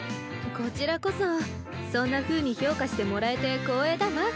こちらこそそんなふうに評価してもらえて光栄だわ。